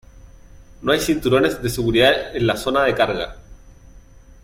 No hay cinturones de seguridad en la zona de carga.